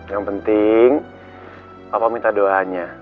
yang penting papa minta doanya